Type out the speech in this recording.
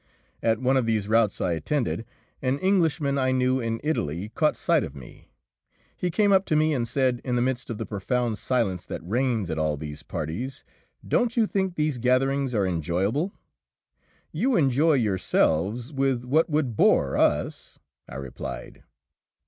At one of these routs I attended, an Englishman I knew in Italy caught sight of me. He came up to me and said, in the midst of the profound silence that reigns at all these parties, "Don't you think these gatherings are enjoyable?" "You enjoy yourselves with what would bore us," I replied.